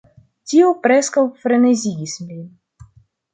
Tio preskaŭ frenezigis lin.